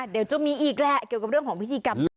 เดี๋ยวจะมีอีกแหละเกี่ยวกับเรื่องของพิธีกรรมนี้